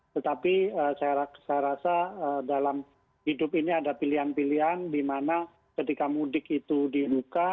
tetapi saya rasa dalam hidup ini ada pilihan pilihan di mana ketika mudik itu dibuka